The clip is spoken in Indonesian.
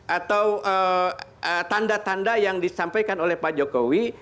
atau tanda tanda yang disampaikan oleh pak jokowi